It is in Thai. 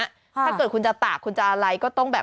ถ้าเกิดคุณจะตากคุณจะอะไรก็ต้องแบบ